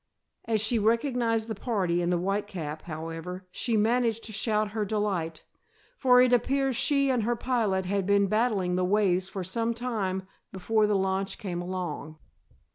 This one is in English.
As she recognized the party in the Whitecap, however, she managed to shout her delight, for it appears she and her pilot had been battling the waves for some time before the launch came along.